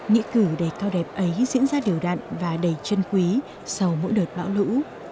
nghĩa cử đầy cao đẹp ấy diễn ra điều đạn và đầy chân quý sau mỗi đợt bão lũ